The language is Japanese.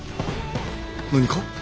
何か？